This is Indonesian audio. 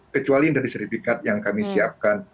kecuali dari sertifikat yang kami siapkan